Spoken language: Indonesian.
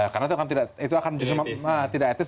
karena itu akan justru tidak etis